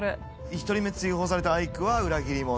１人目追放されたアイクは裏切り者。